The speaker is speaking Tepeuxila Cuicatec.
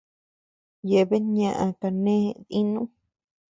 Yeabean ñaʼa kané dínu.